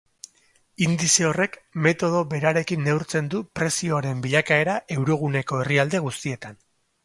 Indize horrek metodo berarekin neurtzen du prezioen bilakaera euroguneko herrialde guztietan.